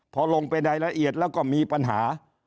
พอลงไปในละเอียดแล้วก็มีปัญหา